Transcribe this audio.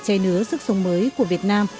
che nứa sức sống mới của việt nam